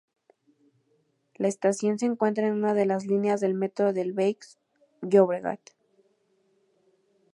La estación se encuentra en una de las líneas del Metro del Baix Llobregat.